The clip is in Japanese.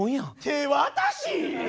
手渡し